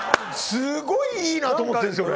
すごいいいなと思ってるんですよ。